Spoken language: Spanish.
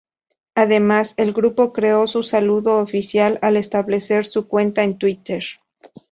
Además, el grupo creó su saludo oficial al establecer su cuenta de Twitter.